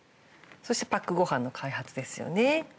そしてパックごはんの開発ですよね。